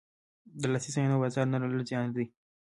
د لاسي صنایعو بازار نه لرل زیان دی.